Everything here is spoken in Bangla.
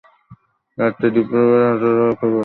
রাত্রি দ্বিপ্রহরের সময় রাজার কোলে হাসির মৃত্যু হইল।